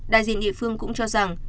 đại diện địa phương cũng cho rằng